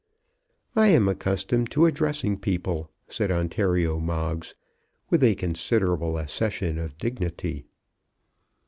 "I am accustomed to addressing people," said Ontario Moggs, with a considerable accession of dignity.